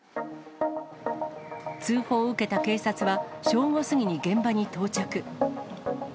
通報を受けた警察は、正午過ぎに現場に到着。